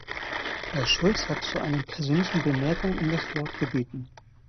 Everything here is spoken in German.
Herr Schulz hat zu einer persönlichen Bemerkung um das Wort gebeten.